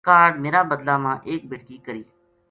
کاہڈ میرا بدلہ ما ایک بیٹکی کری